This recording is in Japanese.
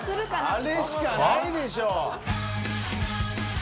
あれしかないでしょ。